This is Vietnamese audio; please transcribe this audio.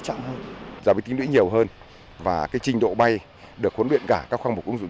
trọng hơn giảm bí tính lưỡi nhiều hơn và trình độ bay được huấn luyện cả các khuôn mục ứng dụng